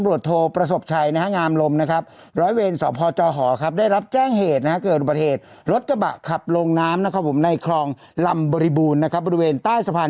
นะคะผมในหลัมบริบูรณ์นะครับบริเวณใต้สะพาน